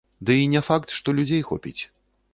Ды і не факт, што людзей хопіць.